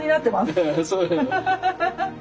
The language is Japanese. ハハハハハ！